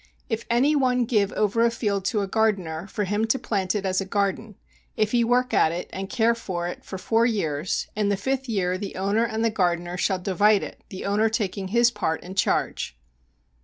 If any one give over a field to a gardener, for him to plant it as a garden, if he work at it, and care for it for four years, in the fifth year the owner and the gardener shall divide it, the owner taking his part in charge.